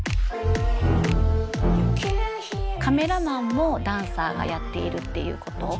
カメラマンもダンサーがやっているっていうこと。